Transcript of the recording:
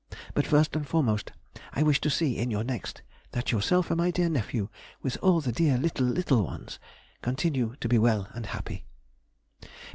But first and foremost I wish to see in your next that yourself and my dear nephew, with all the dear little, little ones, continue to be well and happy....